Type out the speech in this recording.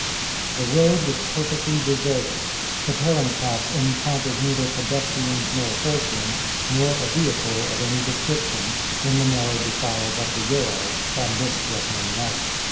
The road was perfectly deserted. The tarantass encountered neither pedestrians nor horsemen, nor a vehicle of any description, in the narrow defiles of the Ural, on this threatening night.